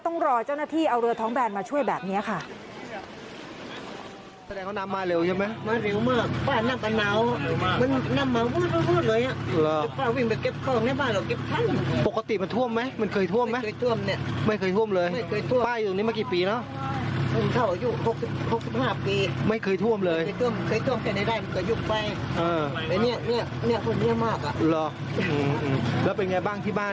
ต้องรอเจ้าหน้าที่เอาเรือท้องแบนมาช่วยแบบนี้ค่ะ